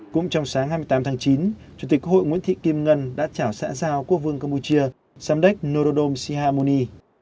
cũng trong sáng hai mươi tám tháng chín chủ tịch quốc hội nguyễn thị kim ngân đã chảo xã giao quốc vương campuchia xăm đách norodom sihamuni